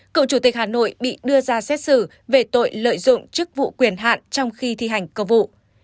cựu chủ tịch hà nội bị đưa ra xét xử về tội lợi dụng chức vụ quyền hạn trong khi thi hành công vụ